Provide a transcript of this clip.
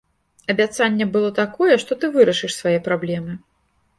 Абяцанне было такое, што ты вырашыш свае праблемы.